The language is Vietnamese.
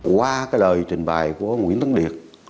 qua cái lời trình bài của nguyễn tấn điệt